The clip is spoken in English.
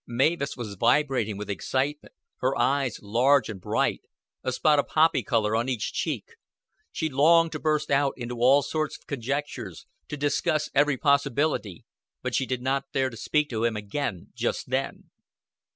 Mavis was vibrating with excitement, her eyes large and bright, a spot of poppy color on each cheek; she longed to burst out into all sorts of conjectures, to discuss every possibility, but she did not dare speak to him again just then.